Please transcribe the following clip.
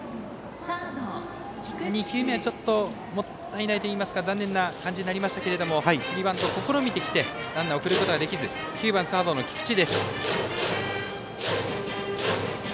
２球目はもったいないといいますか残念な感じになりましたけどスリーバントを試みてきてランナーを送ることができず９番、サードの菊池。